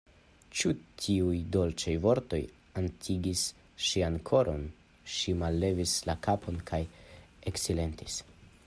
Ĉi tiuj dolĉaj vortoj atingis ŝian koron; ŝi mallevis la kapon kaj eksilentis.